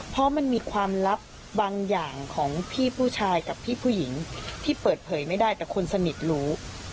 เพราะมันมีความลับบางอย่างของพี่ผู้ชายกับพี่ผู้หญิงที่เปิดเผยไม่ได้แต่คนสนิทรู้